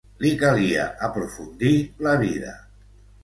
Li calia aprofundir la vida